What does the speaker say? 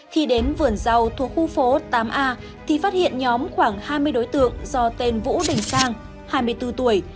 khi đến vườn rau thuộc khu phố tám a thì phát hiện nhóm khoảng hai mươi đối tượng do tên vũ đình sang hai mươi bốn tuổi